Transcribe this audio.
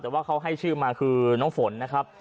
แต่ว่าเขาให้ชื่อมาคือน้องฝนนะครับ